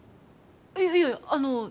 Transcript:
いやいやあの